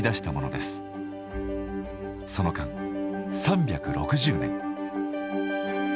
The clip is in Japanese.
その間３６０年。